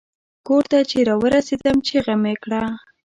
کور ته چې را ورسیدم چیغه مې کړه.